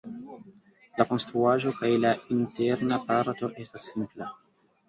La konstruaĵo kaj la interna parto estas simpla.